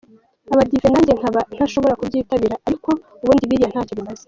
abadive nanjye nkaba ntashobora kubyitabira ariko ubundi biriya ntacyo bimaze.